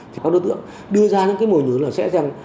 thì các đối tượng đưa ra những mồi nhớ là sẽ